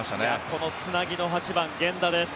このつなぎの８番源田です。